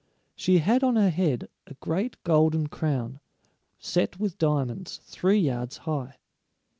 She had on her head a great golden crown, set with diamonds, three yards high.